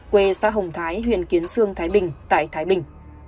quê xã hồng thái huyện kiến sương thái bình tại thái bình